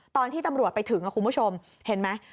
ตอนที่ตำรวจไปถึงคุณผู้ชมเห็นไหม